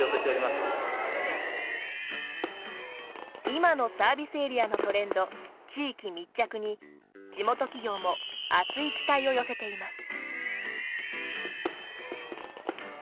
今のサービスエリアのトレンド地域密着に、地元企業も熱い期待を寄せています。